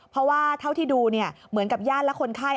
เพราะว่าเท่าที่ดูเหมือนกับญาติและคนไข้